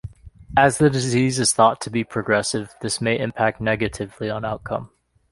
As the disease is thought to be progressive, this may impact negatively on outcome.